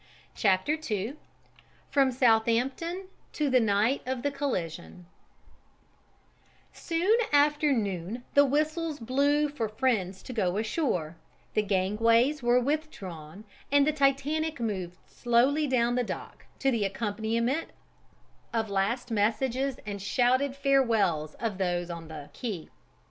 CHAPTER II FROM SOUTHAMPTON TO THE NIGHT OF THE COLLISION Soon after noon the whistles blew for friends to go ashore, the gangways were withdrawn, and the Titanic moved slowly down the dock, to the accompaniment of last messages and shouted farewells of those on the quay.